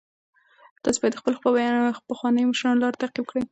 تاسي باید د خپلو پخوانیو مشرانو لار تعقیب کړئ.